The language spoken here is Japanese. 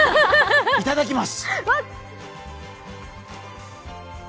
いただきます。